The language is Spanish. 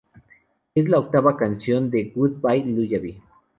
Es la octava canción de Goodbye Lullaby.